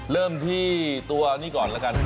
เริ่มที่ตัวนี้ก่อนแล้วกัน